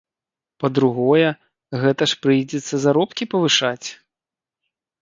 Па-другое, гэта ж прыйдзецца заробкі павышаць!